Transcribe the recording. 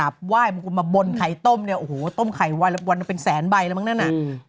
บ่นไข่ต้มเนี่ยโอ้โหต้มไข่วันวันเป็นแสนใบแล้วมั้งนั่นอ่ะอืม